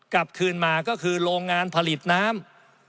กลับคืนมาก็คือโรงงานผลิตน้ำ